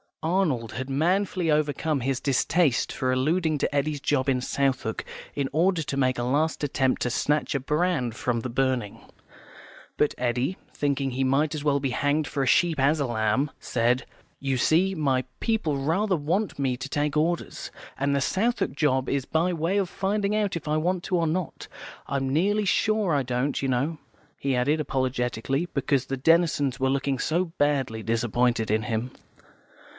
Arnold had manfully overcome his distaste for alluding to Eddy's job in Southwark, in order to make a last attempt to snatch a brand from the burning. But Eddy, thinking he might as well be hanged for a sheep as a lamb, said, "You see, my people rather want me to take Orders, and the Southwark job is by way of finding out if I want to or not. I'm nearly sure I don't, you know," he added, apologetically, because the Denisons were looking so badly disappointed in him.